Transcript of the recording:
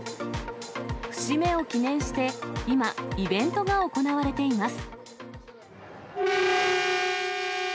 節目を記念して、今、イベントが行われています。